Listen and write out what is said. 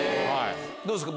どうですか？